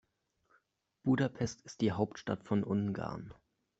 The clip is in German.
Budapest ist die Hauptstadt von Ungarn.